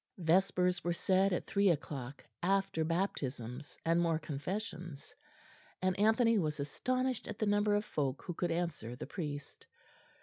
Vespers were said at three o'clock, after baptisms and more confessions; and Anthony was astonished at the number of folk who could answer the priest.